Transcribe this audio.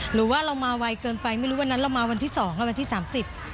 หรือว่าเรามาไวเกินไปไม่รู้วันนั้นเรามาวันที่สองอ่ะวันที่สามสิบ